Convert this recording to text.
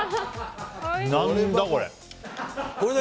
何だ、これ。